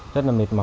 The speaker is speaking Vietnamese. rất là mệt mỏi